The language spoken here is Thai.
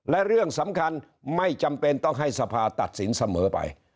และเรื่องสำคัญไม่จำเป็นต้องให้สภาตัดสินเสมอไป